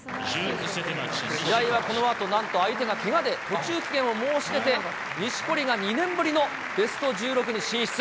試合はこのあと、なんと相手がけがで途中棄権を申し出て、錦織が２年ぶりのベスト１６に進出。